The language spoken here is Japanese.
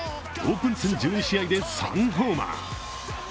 オープン戦１２試合で３ホーマー。